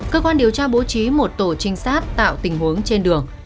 cơ quan điều tra bố trí một tổ trinh sát tạo tình huống trên đường